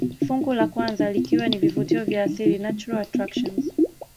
Fungu la kwanza likiwa ni vivutio vya asili natural attractions